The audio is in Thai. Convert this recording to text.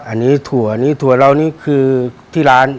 อันนี้ถั่วนี้ถั่วเรานี่คือที่ร้าน